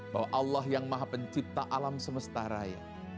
bahwa allah yang maha pencipta alam semesta raya